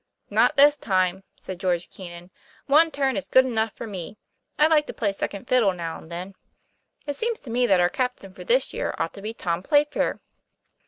"Not this time," said George Keenan. 'One turn is good enough for me. I like to play second fiddle now and then. It seems to me that our cap tain for this year ought to be Tom Playfair.